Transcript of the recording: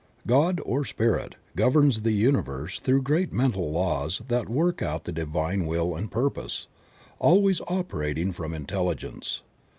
God, or Spirit, governs the universe through great mental laws that work out the divine will and purpose, always operating from Intelligence.